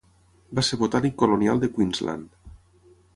Va ser botànic colonial de Queensland.